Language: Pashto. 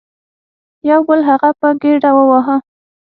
یو بل هغه په ګیډه وواهه.